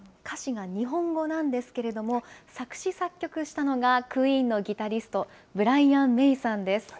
歌詞が日本語なんですけれども、作詞作曲したのがクイーンのギタリスト、ブライアン・メイさんです。